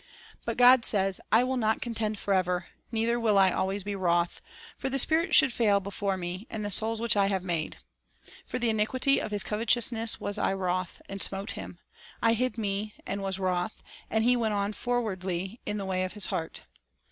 But God says: "I will not contend forever, neither will I be always wroth; for the spirit should fail before Me, and the souls which I have made. For the iniquity of his covetousness was I wroth, and smote him ; I hid Me, and was wroth, and he went on frowardly in the way of his heart.